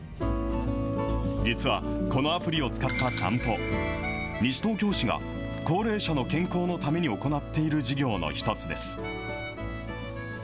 実はこのアプリを使った散歩、西東京市が高齢者の健康のために行っている事業の一つです。